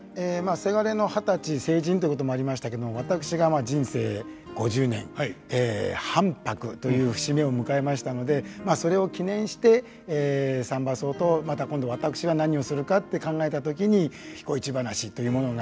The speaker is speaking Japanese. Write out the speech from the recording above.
せがれの二十歳成人ということもありましたけれども私が人生五十年半白という節目を迎えましたのでそれを記念して「三番叟」とまた今度私が何をするかって考えた時に「彦市ばなし」というものが。